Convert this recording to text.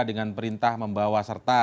dengan perintah membawa serta